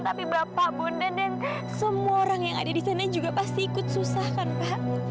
tapi bapak bunda dan semua orang yang ada disana juga pasti ikut susahkan pak